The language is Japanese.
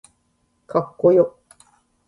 かっこよ